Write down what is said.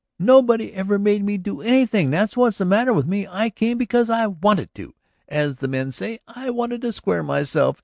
Nobody ever made me do anything; that's what's the matter with me. I came because I wanted to. As the men say, I wanted to square myself.